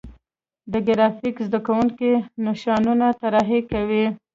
د ګرافیک زده کوونکي نشانونه طراحي کوي.